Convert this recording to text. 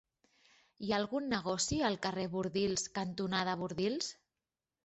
Hi ha algun negoci al carrer Bordils cantonada Bordils?